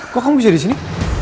kok kamu bisa disini